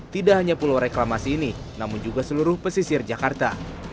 tidak hanya pulau reklamasi ini namun juga seluruh pesisir jakarta